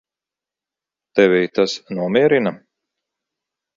Tevi tas nomierina?